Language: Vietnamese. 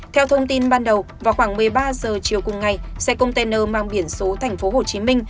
theo thông tin ban đầu vào khoảng một mươi ba h chiều cùng ngày xe container mang biển số tp hcm